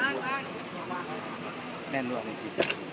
พ่อเที่ยวให้ป่อยดูให้